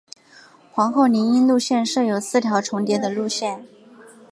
皇后林荫路线设有四条重叠的路线。